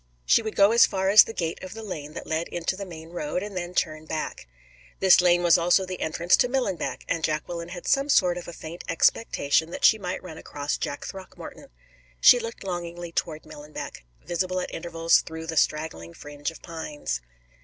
She would go as far as the gate of the lane that led into the main road, and then turn back. This lane was also the entrance to Millenbeck, and Jacqueline had some sort of a faint expectation that she might run across Jack Throckmorton. She looked longingly toward Millenbeck, visible at intervals through the straggling fringe of pines.